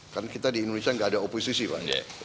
kan kita di indonesia nggak ada oposisi pak